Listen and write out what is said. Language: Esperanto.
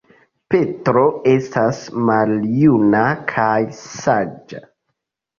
Petro estas maljuna kaj saĝa.